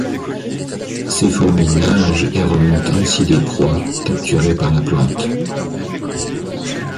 Ces fourmis nagent et remontent ainsi des proies, capturées par la plante.